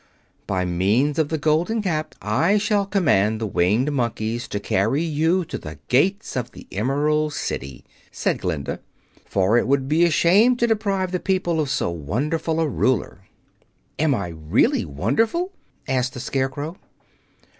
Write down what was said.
"By means of the Golden Cap I shall command the Winged Monkeys to carry you to the gates of the Emerald City," said Glinda, "for it would be a shame to deprive the people of so wonderful a ruler." "Am I really wonderful?" asked the Scarecrow.